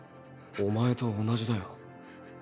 お前と同じだよ。